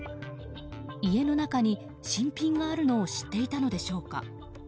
家の中に新品があるのを知っていたのでしょうか。